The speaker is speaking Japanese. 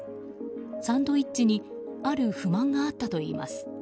サンドイッチにある不満があったといいます。